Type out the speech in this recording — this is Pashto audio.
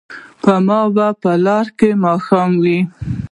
په ما به لاره کې ماښام وي